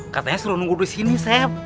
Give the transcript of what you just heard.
katanya selalu nunggu disini sep